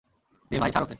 দে ভাই, ছাড় ওকে।